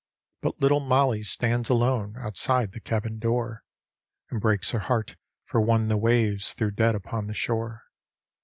But little MoUie stands alone outside the cabin door, And breaks her heart for one the waves threw dead upon the shore.